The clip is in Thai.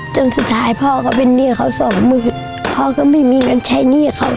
จนสุดท้ายพ่อก็เป็นหนี้เขาสองหมื่นพ่อก็ไม่มีเงินใช้หนี้เขา